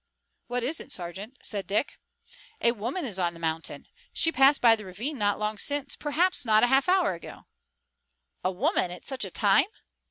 "What is it, sergeant?" asked Dick. "A woman is on the mountain. She passed by the ravine not long since, perhaps not a half hour ago." "A woman at such a time?